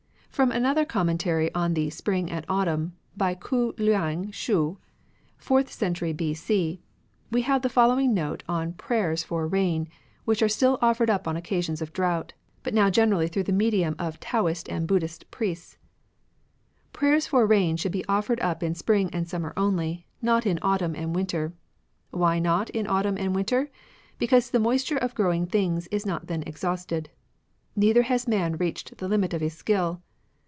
From another Commentary on the fo?%ifii. Spring and Autumn, by Ku Uang Shu, fourth century B.C., we have the following note on Prayers for Bain, which are still offered up on occasions of drought, but now generally through the medium of Taoist and Buddhist priests :—'' Prayers for rain should be offered up in spring and summer only ; not in autumn and winter. Why not in autumn and winter ? Because the moisture of growing things is not then exhausted ; neither has man reached the limit of his skill.